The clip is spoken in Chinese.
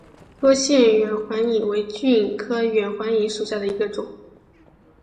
多腺远环蚓为巨蚓科远环蚓属下的一个种。